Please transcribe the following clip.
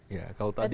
ya kalau tadi